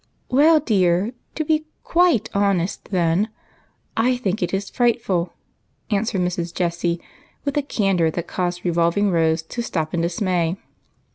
" Well, dear, to be quite honest, then, I think it is frightful," answered Mrs. Jessie with a candor that caused revolving Rose to stop in dismay.